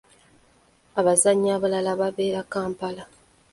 Abazannyi abalala babeera Kampala.